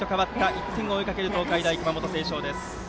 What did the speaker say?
１点を追いかける東海大熊本星翔。